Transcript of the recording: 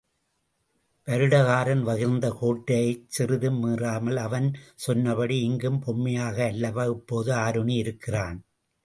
வருடகாரன் வகிர்ந்த கோட்டைச் சிறிதும் மீறாமல், அவன் சொன்னபடி இயங்கும் பொம்மையாக அல்லவா இப்போது ஆருணி இருக்கிறான்?